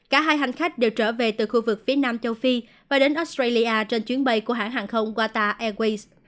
cả hai hành khách đều trở về từ khu vực phía nam châu phi và đến australia trên chuyến bay của hãng hàng không wata airways